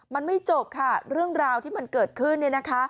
มันไม่จบค่ะเรื่องราวที่มันเกิดขึ้น